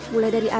mulai dari lantai